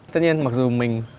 tất nhiên mặc dù mình